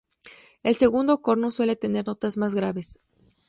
El segundo corno suele tener notas más graves.